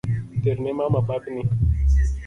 Terne mama bagni